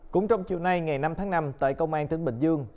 cũng trong chiều nay ngày năm tháng năm tại công an tỉnh bình dương